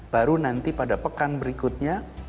baru nanti pada pekan berikutnya